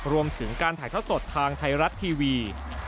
รวมถึงการถ่ายท่อสดทางไทยรัฐทีวี